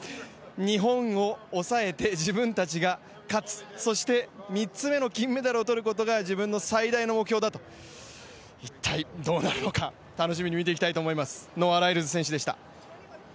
日本を抑えて自分たちが勝つ、そして、３つめの金メダルを取ることが自分の最大の目標だと一体どうなるのか楽しみに見ていきたいと思います。